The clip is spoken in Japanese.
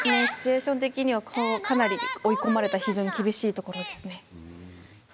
シチュエーション的にはかなり追い込まれた非常に厳しいところですね。